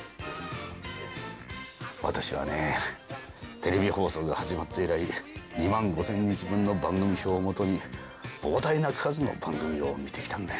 私はねテレビ放送が始まって以来２万５，０００日分の番組表をもとに膨大な数の番組を見てきたんだよ。